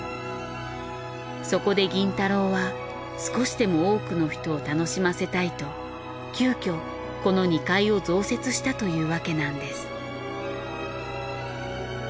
そこで銀太郎は少しでも多くの人を楽しませたいと急きょこの２階を増設したというわけなんです。